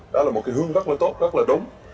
đó là một cái hướng rất là tốt rất là đúng